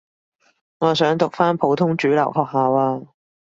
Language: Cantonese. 我想讀返普通主流學校呀